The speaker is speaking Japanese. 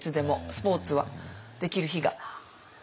スポーツはできる日が。